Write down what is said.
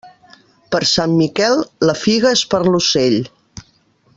Per sant Miquel, la figa és per a l'ocell.